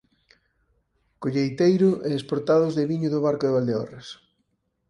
Colleiteiro e exportados de viño do Barco de Valdeorras.